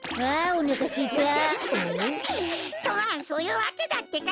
とまあそういうわけだってか！